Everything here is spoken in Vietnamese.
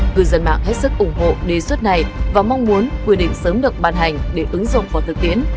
cư dân mạng hết sức ủng hộ đề xuất này và mong muốn quy định sớm được ban hành để ứng dụng vào thực tiễn